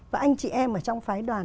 và anh chị em ở trong phái đoàn